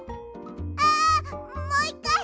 あもう１かい！